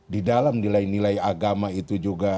di dalam nilai nilai agama itu juga